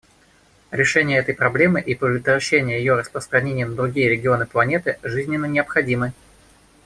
Решение этой проблемы и предотвращение ее распространения на другие регионы планеты жизненно необходимы.